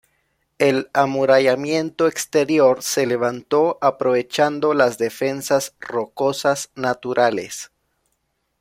El amurallamiento exterior se levantó aprovechando las defensas rocosas naturales.